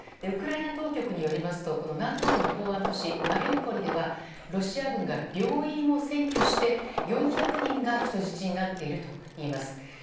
ウクライナ当局によりますと南東部の港湾都市マリウポリではロシア軍が病院を占拠して４００人が人質になっているといいます。